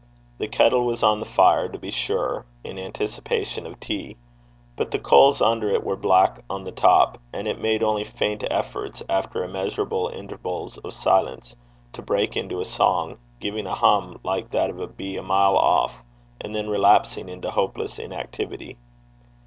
The kettle was on the fire, to be sure, in anticipation of tea; but the coals under it were black on the top, and it made only faint efforts, after immeasurable intervals of silence, to break into a song, giving a hum like that of a bee a mile off, and then relapsing into hopeless inactivity.